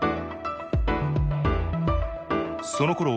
そのころ